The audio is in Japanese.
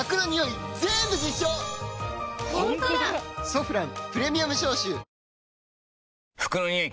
「ソフランプレミアム消臭」服のニオイ